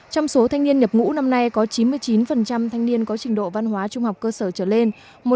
trong số thanh niên nhập ngũ năm nay có chín mươi chín thanh niên có trình độ văn hóa trung học cơ sở trở lên